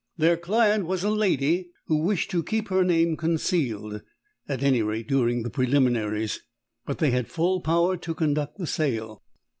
Their client was a lady who wished to keep her name concealed at any rate during the preliminaries; but they had full power to conduct the sale.